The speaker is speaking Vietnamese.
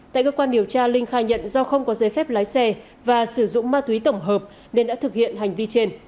tại cơ quan điều tra linh khai nhận do không có giấy phép lái xe và sử dụng ma túy tổng hợp nên đã thực hiện hành vi trên